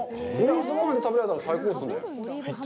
朝ごはんに食べられたら、最高ですね。